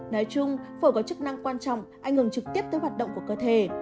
nói chung phổi có chức năng quan trọng ảnh hưởng trực tiếp tới hoạt động của cơ thể